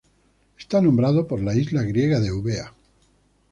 Está nombrado por la isla griega de Eubea.